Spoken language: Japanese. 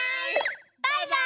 バイバーイ！